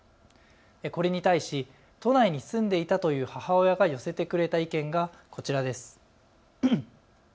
これに対し、都内に住んでいたという母親が寄せてくれた意見がこちらです。